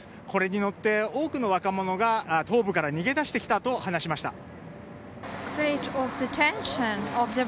これに乗って多くの若者が東部から逃げ出してきたと話しました。